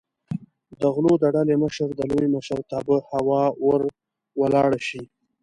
د غلو د ډلې مشر د لوی مشرتابه هوا ور ولاړه شي.